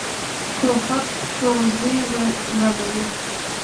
توپک ښوونځي ورانوي.